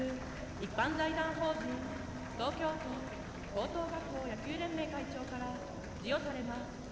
東京都高等学校野球連盟会長から授与されます。